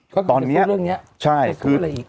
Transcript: เขาก็จะสู้เรื่องเนี้ย